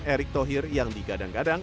erick thohir yang digadang gadang